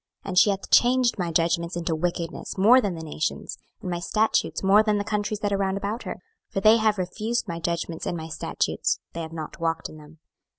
26:005:006 And she hath changed my judgments into wickedness more than the nations, and my statutes more than the countries that are round about her: for they have refused my judgments and my statutes, they have not walked in them.